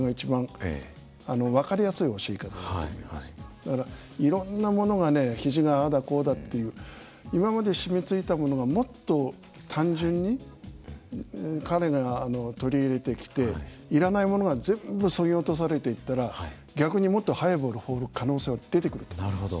だからいろんなものがねひじがああだこうだっていう今まで染みついたものがもっと単純に彼が取り入れてきていらないものが全部そぎ落とされていったら逆にもっと速いボール放る可能性は出てくると思います。